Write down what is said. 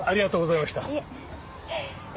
いえ。